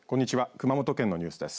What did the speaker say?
熊本県のニュースです。